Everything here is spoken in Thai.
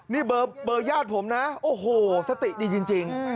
นี่เบอร์ญาติผมนะโอ้โหสติดีจริง